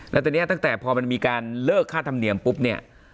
แล้วตอนนี้ตั้งแต่พอมันมีการเลิกค่าธรรมเนียมปุ๊บเนี่ย